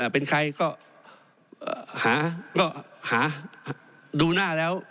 เป็นใครก็หาก็หาดูหน้าแล้ว